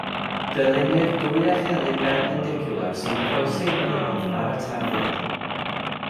Dylunnir dwy echelin berpendicwlar sy'n croesi ei gilydd ar y tarddiad.